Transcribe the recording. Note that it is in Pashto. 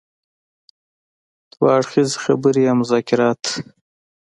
دوه اړخیزه خبرې يا مذاکرات.